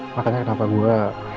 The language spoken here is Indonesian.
makanya kenapa gue